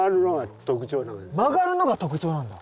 曲がるのが特徴なんだ。